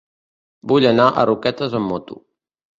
Vull anar a Roquetes amb moto.